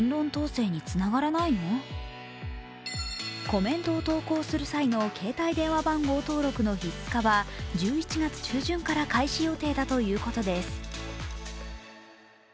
コメントを投稿する際の携帯電話番号設定の必須化は１１月中旬から開始予定だということです。